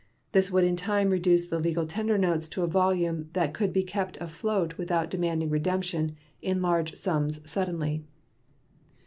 This would in time reduce the legal tender notes to a volume that could be kept afloat without demanding redemption in large sums suddenly.